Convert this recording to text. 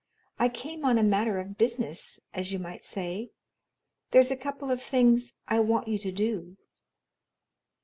I came on a matter of business, as you might say. There's a couple of things I want you to do."